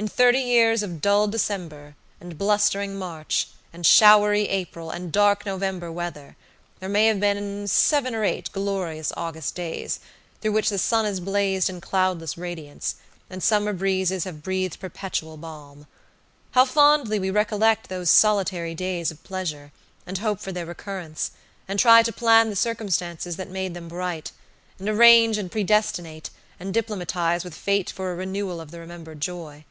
In thirty years of dull December, and blustering March, and showery April, and dark November weather, there may have been seven or eight glorious August days, through which the sun has blazed in cloudless radiance, and the summer breezes have breathed perpetual balm. How fondly we recollect these solitary days of pleasure, and hope for their recurrence, and try to plan the circumstances that made them bright; and arrange, and predestinate, and diplomatize with fate for a renewal of the remembered joy.